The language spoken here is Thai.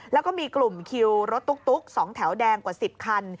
แล้วก็มีกลุ่มคิวรถตุ๊ก๒แถวแดงกว่า๑๐คัน